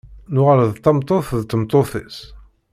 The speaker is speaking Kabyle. Nuɣal d tameṭṭut d tmeṭṭut-is.